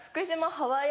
ハワイ